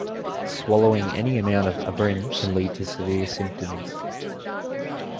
Swallowing any amount of abrin can lead to severe symptoms.